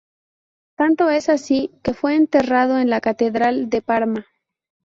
Tanto es así, que fue enterrado en la catedral de Parma.